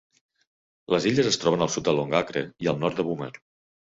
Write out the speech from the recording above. Les illes es troben al sud de Longacre i al nord de Boomer.